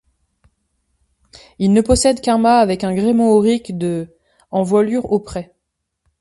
Il ne possède qu'un mât avec un gréement aurique de en voilure au prés.